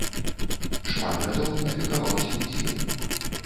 Шмат гадоў апекаваўся музеем.